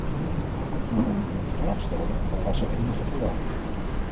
Toen u uw vraag stelde, was er enige verwarring.